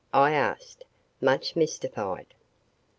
I asked, much mystified.